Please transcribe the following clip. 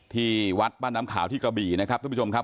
ที่วัดบ้านน้ำขาวที่กระบี่นะครับทุกผู้ชมครับ